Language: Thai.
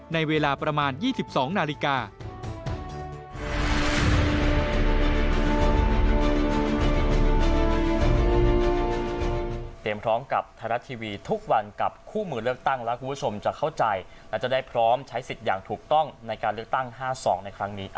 ในเวลาประมาณ๒๒นาฬิกา